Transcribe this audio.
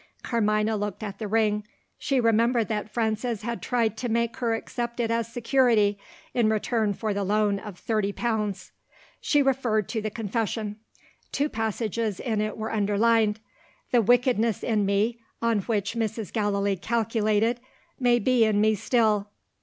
Carmina looked at the ring. She remembered that Frances had tried to make her accept it as security, in return for the loan of thirty pounds. She referred to the confession. Two passages in it were underlined: "The wickedness in me, on which Mrs. Gallilee calculated, may be in me still."